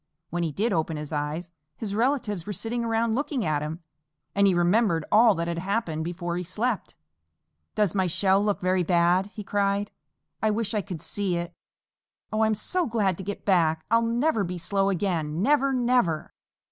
When he did open his eyes, his relatives were sitting around looking at him, and he remembered all that had happened before he slept. "Does my shell look very bad?" he cried. "I wish I could see it. Oh, I am so glad to get back! I'll never be slow again, Never! Never!"